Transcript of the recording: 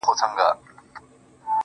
وارخطا یې ښي او کیڼ لور ته کتله.!